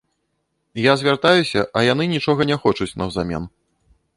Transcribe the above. Я звяртаюся, а яны нічога не хочуць наўзамен.